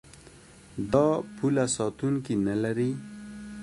دا پوله ساتونکي نلري.